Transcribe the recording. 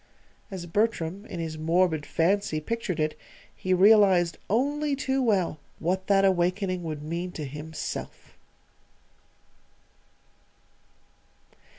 As Bertram, in his morbid fancy pictured it, he realized only too well what that awakening would mean to himself.